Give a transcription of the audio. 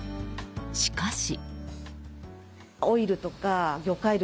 しかし。